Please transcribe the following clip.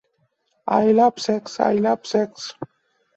তার কর্মস্থলে তিনি "অ্যাঞ্জেল অফ ডেথ" বা "বিউটিফুল ডেভিল" নামে পরিচিত ছিলেন।